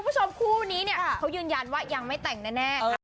คุณผู้ชมคู่นี้เนี่ยเขายืนยันว่ายังไม่แต่งแน่